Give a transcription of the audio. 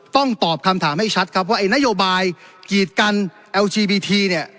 ต้องตอบคำถามให้ชัดครับว่าไอ้นโยบายกีดกันเอลจีบีทีเนี่ย